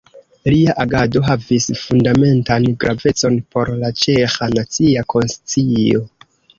Lia agado havis fundamentan gravecon por la ĉeĥa nacia konscio.